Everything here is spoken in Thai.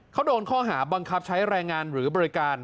เขาโดนข้อหาบังคับใช้แรงงานหรือบริการ